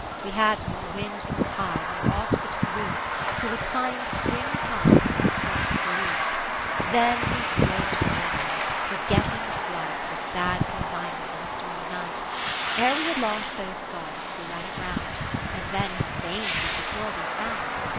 We had nor wind nor tide, nor aught but grief, Till a kind spring tide was our first relief. 40 Then we float merrily, forgetting quite The sad confinement of the stormy night. Ere we had lost these thoughts, we ran aground, And then how vain to be secure we found.